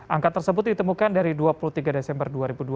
angka tersebut ditemukan dari dua puluh tiga desember dua ribu dua puluh